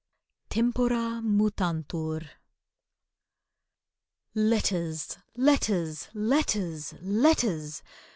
TEMPORA MUTANTUR LETTERS, letters, letters, letters!